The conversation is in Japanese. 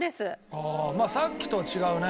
ああまあさっきと違うね。